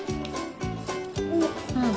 うん。